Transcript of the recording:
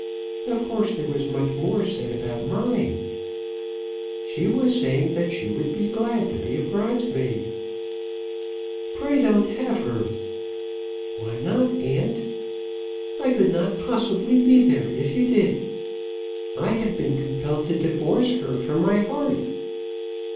Of course there was much more to say about mine. She was saying that she would be glad to be a bridesmaid." "Pray don't have her." "Why not, aunt?" "I could not possibly be there if you did. I have been compelled to divorce her from my heart."